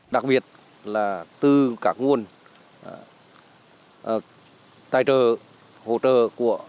đặc biệt là tư cả nguồn tài trợ hỗ trợ của